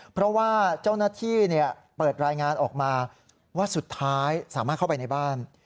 เพราะว่าเจ้าหน้าที่เปิดรายงานออกมาว่าสุดท้ายสามารถเข้าไปในบ้าน